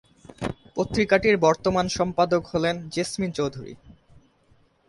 পত্রিকাটির বর্তমান সম্পাদক হলেন জেসমিন চৌধুরী।